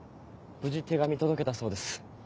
無事手紙届けたそうです。